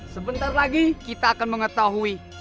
sebentar lagi kita akan mengetahui